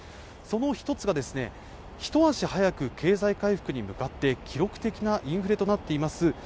その一つがひと足早く経済回復に向かって記録的なインフレとなっています